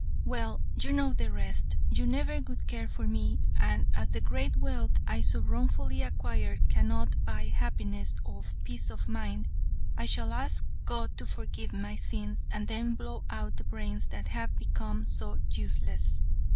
"'Well, you know the rest. You never would care for me, and as the great wealth I so wrongfully acquired cannot buy happiness of peace of mind, I shall ask God to forgive my sins and then blow out the brains that have become so useless.